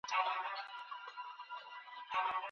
سالم ذهن ناکامي نه خپروي.